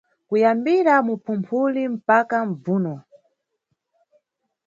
Kuyambira mu Phumphuli mpaka Mbvuno.